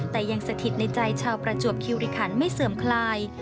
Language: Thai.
แต่ยังสถิตในใจชาวประจวบคิวริคันไม่เสื่อมคลาย